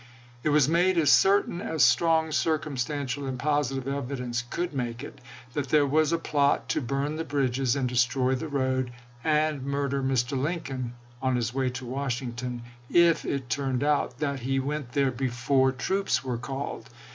.. It was made as certain as strong circumstantial and positive evidence could make it, that there was a plot to burn the bridges and destroy the road, and murder Mr. Lincoln on his way to Washington, if it turned out that he went there before troops were called.